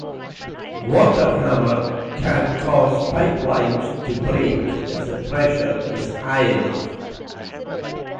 Water hammer can cause pipelines to break if the pressure is high enough.